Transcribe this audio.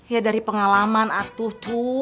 ya dari pengalaman atuh cu